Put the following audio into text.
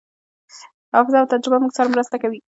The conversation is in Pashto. حافظه او تجربه موږ سره مرسته کوي.